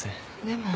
でも。